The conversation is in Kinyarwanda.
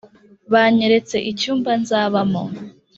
banyeretse icyumba nzabamo,